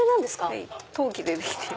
⁉はい陶器でできています。